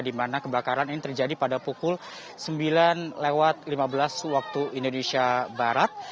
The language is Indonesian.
di mana kebakaran ini terjadi pada pukul sembilan lewat lima belas waktu indonesia barat